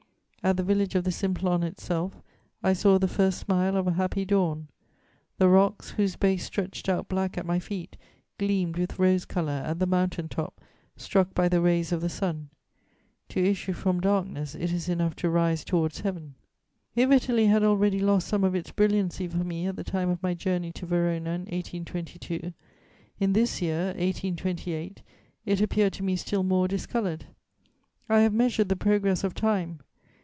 "At the village of the Simplon itself, I saw the first smile of a happy dawn. The rocks, whose base stretched out black at my feet, gleamed with rose colour at the mountain top, struck by the rays of the sun. To issue from darkness, it is enough to rise towards Heaven. "If Italy had already lost some of its brilliancy for me at the time of my journey to Verona in 1822, in this year, 1828, it appeared to me still more discoloured; I have measured the progress of time.